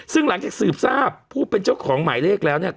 ซึ่งหลังจากสืบทราบผู้เป็นเจ้าของหมายเลขแล้วเนี่ย